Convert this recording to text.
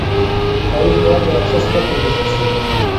تاريخ بايد له احساس پرته ولوستل شي.